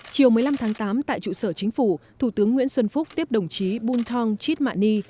chiều một mươi năm tháng tám tại trụ sở chính phủ thủ tướng nguyễn xuân phúc tiếp đồng chí bung thong chit mạ ni